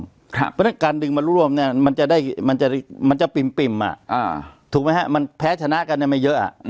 เพราะฉะนั้นการดึงมาร่วมเนี่ยมันจะปิ่มถูกไหมฮะมันแพ้ชนะกันไม่เยอะ